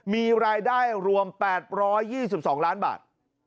มีรายได้รวม๘๒๒ล้านบาท